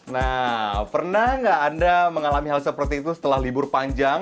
nah pernah nggak anda mengalami hal seperti itu setelah libur panjang